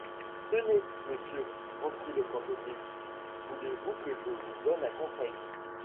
Tenez, Monsieur, reprit le cantonnier, voulez-vous que je vous donne un conseil ?